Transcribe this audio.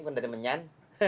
bukan dari menyan